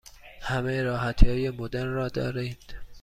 همه راحتی های مدرن را دارید؟